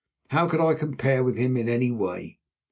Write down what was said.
How could I compare with him in any way?